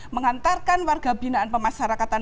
mengantarkan warga binaan pemasarakatan